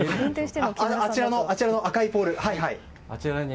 あちらの赤いポールに？